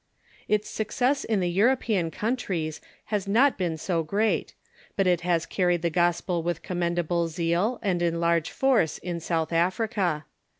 Its success in the European countries has not been so great, but it has carried the gospel with commendable zeal and in large force in South Africa.